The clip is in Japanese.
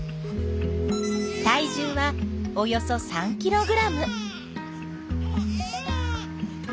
体重はおよそ３ｋｇ。